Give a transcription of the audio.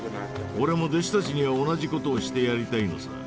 俺も弟子たちには同じことをしてやりたいのさ。